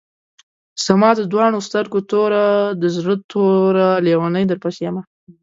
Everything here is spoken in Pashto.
زما د دواڼو سترګو توره، د زړۀ ټوره لېونۍ درپسې يمه